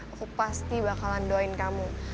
aku pasti bakalan doain kamu